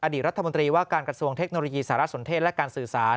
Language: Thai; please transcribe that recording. รัฐมนตรีว่าการกระทรวงเทคโนโลยีสารสนเทศและการสื่อสาร